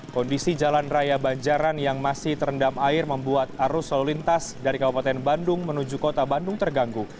kondisi jalan raya banjaran yang masih terendam air membuat arus lalu lintas dari kabupaten bandung menuju kota bandung terganggu